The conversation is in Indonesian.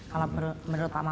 kalau menurut pak mahfud